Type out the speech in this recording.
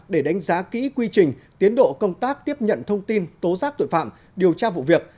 để đánh giá kỹ quy trình tiến độ công tác tiếp nhận thông tin tố giác tội phạm điều tra vụ việc